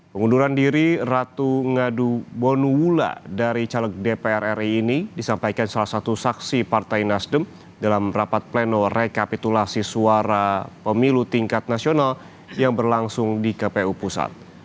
pengunduran diri ratu ngadu bonula dari caleg dpr ri ini disampaikan salah satu saksi partai nasdem dalam rapat pleno rekapitulasi suara pemilu tingkat nasional yang berlangsung di kpu pusat